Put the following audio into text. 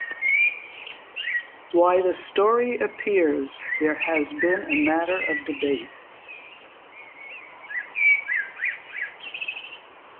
Why the story appears there has been a matter of debate.